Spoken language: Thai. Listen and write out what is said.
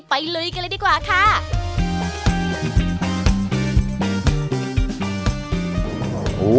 ลุยกันเลยดีกว่าค่ะ